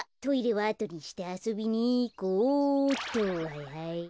はいはい。